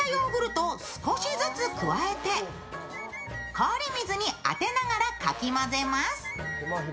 氷水に当てながらかき混ぜます。